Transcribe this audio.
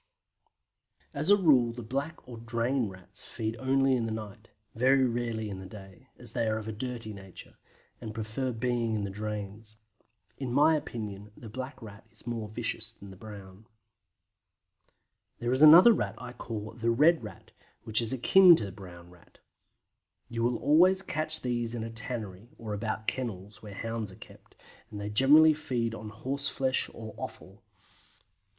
As a rule the Black or Drain Rats feed only in the night, very rarely in the day, as they are of a dirty nature, and prefer being in the drains. In my opinion the Black Rat is more vicious than the Brown. There is another Rat I call the Red Rat, which is akin to the Brown Rat. You will always catch these at a tannery, or about kennels, where hounds are kept, and they generally feed on horseflesh or offal.